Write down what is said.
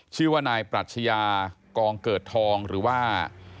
ชื่อว่านายปรัชญากองเกิดทองหรือว่า